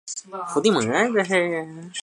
木筒篙属是菊科下的一个属。